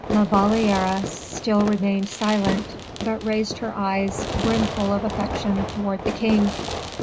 La Valliere still remained silent, but raised her eyes, brimful of affection, toward the king.